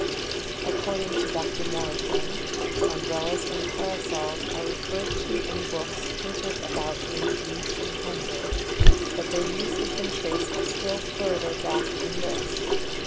According to Dr. Morrison, Umbrellas and Parasols are referred to in books printed about A.D. 300, but their use has been traced still further back than this.